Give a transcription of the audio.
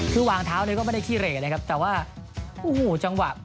คือวางเท้าเนี่ยก็ไม่ได้ขี้เหลเลยครับแต่ว่าโอ้โหจังหวะ